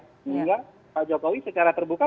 sehingga pak jokowi secara terbuka